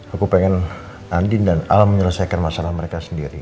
aku pengen andin dan alam menyelesaikan masalah mereka sendiri